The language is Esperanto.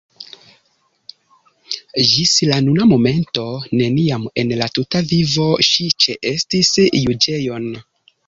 Ĝis la nuna momento neniam en la tuta vivo ŝi ĉeestis juĝejon.